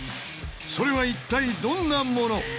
それは一体どんなもの？